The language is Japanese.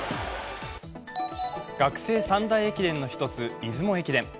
学生三大駅伝の一つ、出雲駅伝。